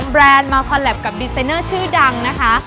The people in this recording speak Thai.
๒แบรนด์มาคอลลับกับดีเซนเนอร์ชื่อดังนะคะ